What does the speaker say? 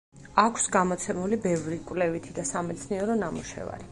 აქვს გამოცემული ბევრი კვლევითი და სამეცნიერო ნამუშევარი.